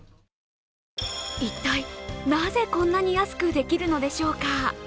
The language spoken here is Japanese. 一体、なぜ、こんなに安くできるのでしょうか？